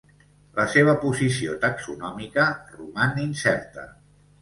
La seva posició taxonòmica roman incerta.